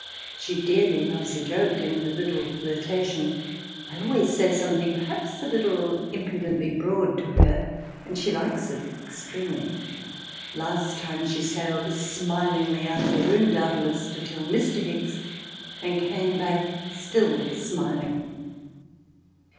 She dearly loves a joke and a little flirtation. I always say something perhaps a little impudently broad to her and she likes it extremely. Last time she sailed smilingly out of the room, doubtless to tell Mr. Hicks, and came back still smiling.